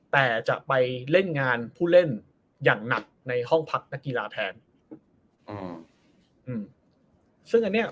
แต่จะไปเล่นงานผู้เล่นอย่างนักำในห้องพักนักกีฬาแทน